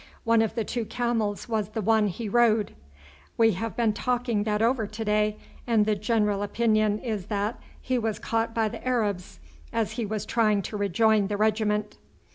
One of the two camels was the one he rode. We have been talking that over to day, and the general opinion is that he was caught by the Arabs as he was trying to rejoin the regiment.